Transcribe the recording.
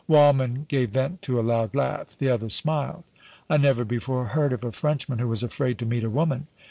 Waldmann gave vent to a loud laugh; the others smiled. "I never before heard of a Frenchman who was afraid to meet a woman!"